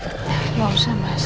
enggak usah mas